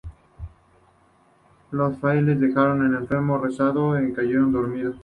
Los frailes dejaron al enfermo rezando y cayeron dormidos.